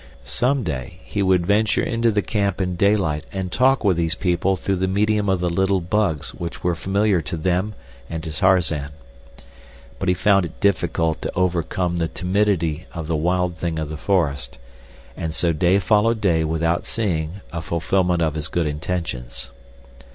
Some day he would venture into the camp in daylight and talk with these people through the medium of the little bugs which were familiar to them and to Tarzan. But he found it difficult to overcome the timidity of the wild thing of the forest, and so day followed day without seeing a fulfillment of his good intentions.